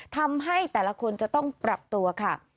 ทำให้แต่ละคนจะต้องปรับตัวค่ะ